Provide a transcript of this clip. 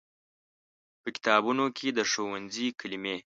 په کتابونو کې د ښوونځي کلمې